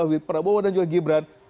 tiga wil perbohonan jawa gibran